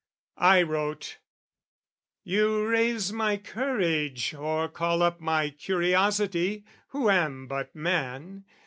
I wrote "You raise my courage, or call up "My curiosity, who am but man.